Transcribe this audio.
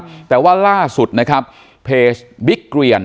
ก็เป็นพฤติการลอกเลียนแบบหรือยังไรสำหรับการใช้ปืนในการระบายความรู้สึกอันอั้นตันใจเนี้ยนะคะ